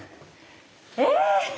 え